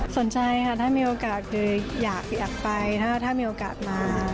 สนใจค่ะถ้ามีโอกาสคืออยากไปถ้ามีโอกาสมา